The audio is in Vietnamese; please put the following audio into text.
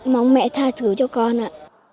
mong mẹ tha thứ cho con ạ